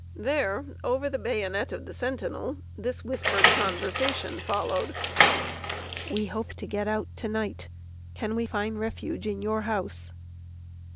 There, over the bayonet of the sentinel, this whispered conversation followed: "We hope to get out to night; can we find refuge in your house?"